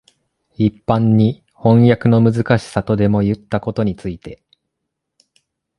一般に飜訳のむずかしさとでもいったことについて、